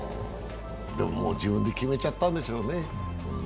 でも、もう自分で決めちゃったんでしょうね。